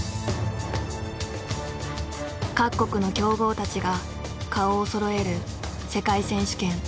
各国の強豪たちが顔をそろえる世界選手権。